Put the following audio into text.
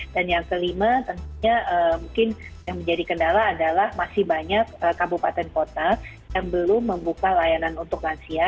dan yang kelima tentunya mungkin yang menjadi kendala adalah masih banyak kabupaten kota yang belum membuka layanan untuk lansia